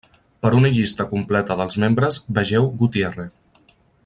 Per una llista completa dels membres vegeu Gutiérrez.